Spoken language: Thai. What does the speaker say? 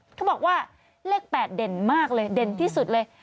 เขาบอกว่าเลข๘เด่นมากเลยเด่นที่สุดเลย